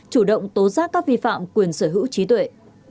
chủ động tố giác các vi phạm quyền sở hữu trí tuệ